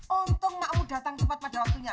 untung makmu datang tepat pada waktunya